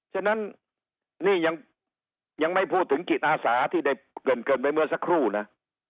ฉะนั้นนี่ยังไม่พูดถึงจิตอาสาที่ได้เกินไปเมื่อสักครู่นะ